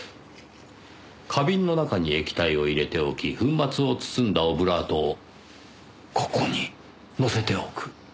花瓶の中に液体を入れておき粉末を包んだオブラートをここに載せておく。